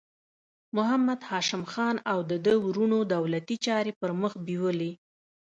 محمد هاشم خان او د ده وروڼو دولتي چارې پر مخ بیولې.